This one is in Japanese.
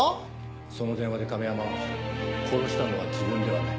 その電話で亀山は「殺したのは自分ではない。